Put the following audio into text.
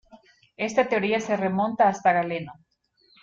Esta teoría se remonta hasta Galeno.